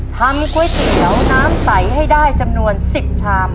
ทำก๋วยเตี๋ยวน้ำใสให้ได้จำนวน๑๐ชาม